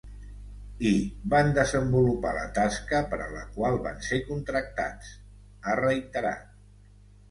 I “van desenvolupar la tasca per a la qual van ser contractats”, ha reiterat.